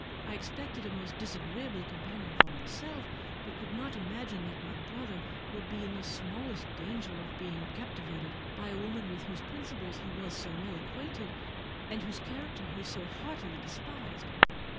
I expected a most disagreeable companion for myself, but could not imagine that my brother would be in the smallest danger of being captivated by a woman with whose principles he was so well acquainted, and whose character he so heartily despised.